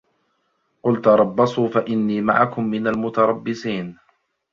قُل تَرَبَّصوا فَإِنّي مَعَكُم مِنَ المُتَرَبِّصينَ